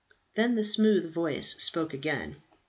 Then the smooth voice spoke again.